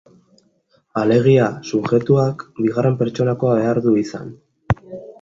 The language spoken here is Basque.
Alegia, subjektuak bigarren pertsonakoa behar du izan.